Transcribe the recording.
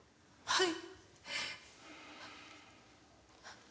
はい。